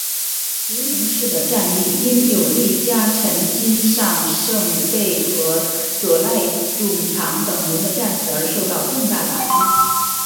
芦名氏的战力因有力家臣金上盛备和佐濑种常等人的战死而受到重大打击。